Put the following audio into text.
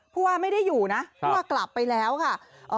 ผู้ว่าไม่ได้อยู่นะผู้ว่ากลับไปแล้วค่ะ